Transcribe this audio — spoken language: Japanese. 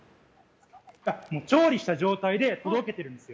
調理した状態で届けているんですよ。